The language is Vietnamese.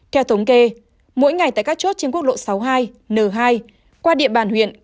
theo thống kê mỗi ngày tại các chốt trên quốc lộ sáu mươi hai n hai qua địa bàn huyện